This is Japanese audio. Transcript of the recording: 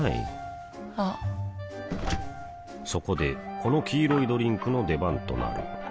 あっそこでこの黄色いドリンクの出番となる